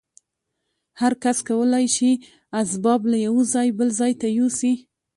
هر کس کولای شي اسباب له یوه ځای بل ته یوسي